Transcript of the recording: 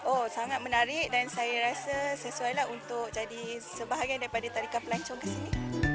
oh sangat menarik dan saya rasa sesuai lah untuk jadi sebahagia daripada pelancong kesini